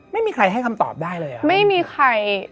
ไม่มีใครให้คำตอบได้เลยอะ